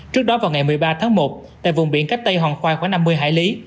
trước đó vào ngày một mươi ba tháng một tại vùng biển cách tây hòn khoai khoảng năm mươi hải lý